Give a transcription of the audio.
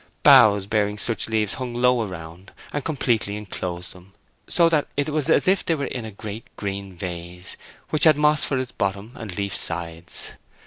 Boughs bearing such leaves hung low around, and completely enclosed them, so that it was as if they were in a great green vase, which had moss for its bottom and leaf sides.